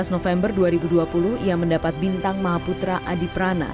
sebelas november dua ribu dua puluh ia mendapat bintang mahaputra adi prana